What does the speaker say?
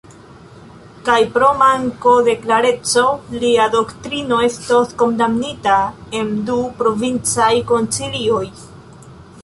Kaj pro manko de klareco lia doktrino estos kondamnita en du provincaj koncilioj.